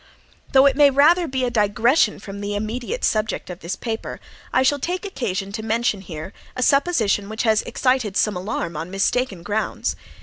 Though it may rather be a digression from the immediate subject of this paper, I shall take occasion to mention here a supposition which has excited some alarm upon very mistaken grounds.